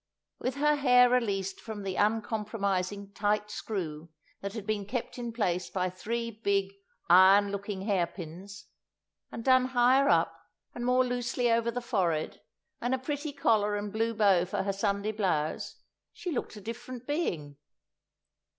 With her hair released from the uncompromising, tight screw that had been kept in place by three big iron looking hair pins, and done higher up, and more loosely over the forehead, and a pretty collar and blue bow for her Sunday blouse, she looked a different being.